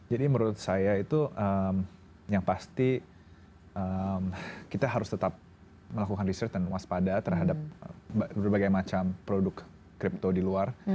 jadi menurut saya itu yang pasti kita harus tetap melakukan research dan waspada terhadap berbagai macam produk crypto di luar